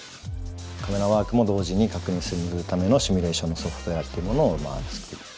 カメラワークも同時に確認するためのシミュレーションのソフトウエアっていうものを作っています。